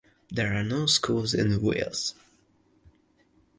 There are no schools in Wills.